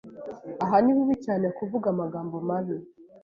Aha ni bibi cyane kuvuga amagambo mabi